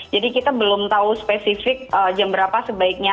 jadi kita belum tahu spesifik jam berapa sebaiknya